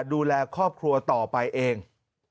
ดูแลครอบครัวต่อไปเอง